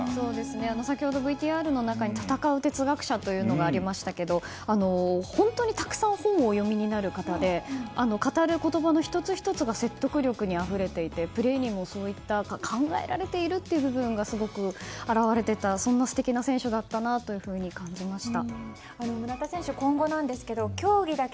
先ほどＶＴＲの中に闘う哲学者というのがありましたけど本当にたくさん本をお読みになる方で語る言葉の１つ１つが説得力にあふれていてプレーにもそういった考えられている部分が表れていたそんな素敵な選手だったなと感じました。